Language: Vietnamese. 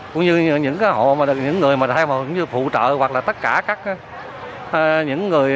cũng như những người mà theo mục vụ phụ trợ hoặc là tất cả các những người